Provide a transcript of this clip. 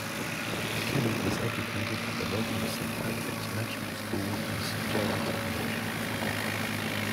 Kenny was educated at the local Saint Patrick's national school and Saint Gerald's College.